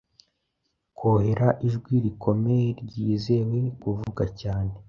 Koreha ijwi rikomeye, ryizewe kuvugaCyane